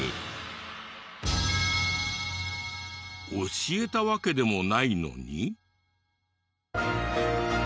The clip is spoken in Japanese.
教えたわけでもないのに。